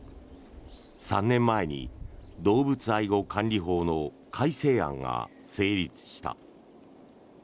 ３年前に動物愛護管理法の改正案が成立した。